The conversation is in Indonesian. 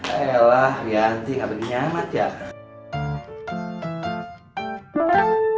ayolah wianti gak pedih nyaman